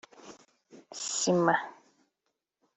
sima